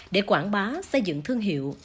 để quảng bá xây dựng thương hiệu